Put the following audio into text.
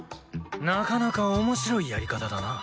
なかなかおもしろいやり方だな。